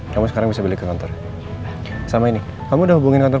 kamu sekarang bisa balik ke kantor